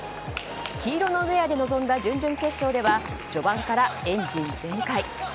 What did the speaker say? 黄色のウェアで臨んだ準々決勝では序盤からエンジン全開。